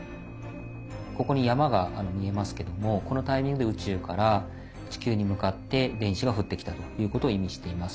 ここに山が見えますけどもこのタイミングで宇宙から地球に向かって電子が降ってきたということを意味しています。